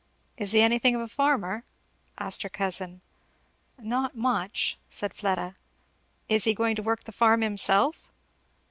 "Is he anything of a farmer?" asked her cousin. "Not much," said Fleda. "Is he going to work the farm himself?"